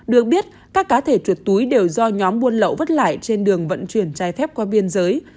được biết các cá thể chuột túi đều do nhóm buôn lậu vất lại trên đường vận chuyển chai thép qua biên giới